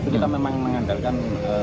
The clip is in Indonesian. tapi kita memang mengandalkan